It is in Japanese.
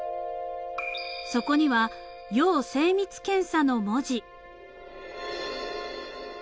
［そこには「要精密検査」の文字］